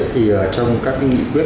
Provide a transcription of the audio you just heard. thì trong các cái nghị quyết